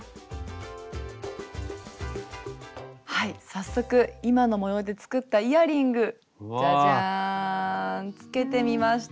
はい早速今の模様で作ったイヤリングじゃじゃんつけてみました。